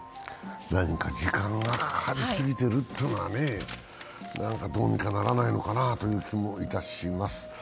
時間がかかりすぎてるっていうのは、どうにかならないのかなという気がいたします。